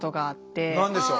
何でしょう？